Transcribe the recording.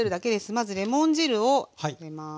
まずレモン汁を入れます。